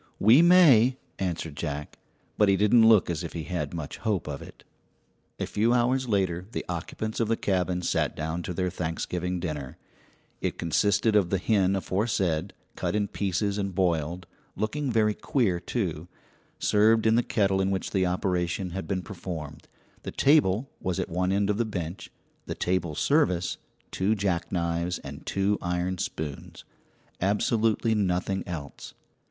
"We may," answered Jack; but he didn't look as if he had much hope of it. A few hours later the occupants of the cabin sat down to their Thanksgiving dinner. It consisted of the hen aforesaid, cut in pieces and boiled looking very queer, too served in the kettle in which the operation had been performed. The table was at one end of the bench, the table service two jackknives and two iron spoons absolutely nothing else.